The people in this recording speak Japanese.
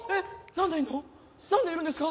なんでいるんですか？